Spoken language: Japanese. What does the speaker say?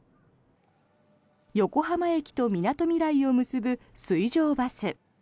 横浜駅とみなとみらいを結ぶ水上バス。